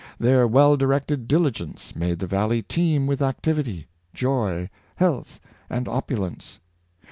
Their well directed diligence made the valley teem with activity, joy, health, and opulence.